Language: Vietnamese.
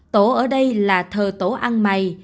tổ ở đây là thờ tổ ăn mày